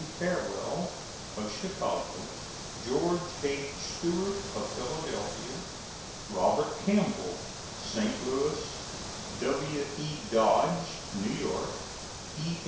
Farwell, of Chicago; George H. Stuart, of Philadelphia; Robert Campbell, St. Louis; W.E. Dodge, New York; E.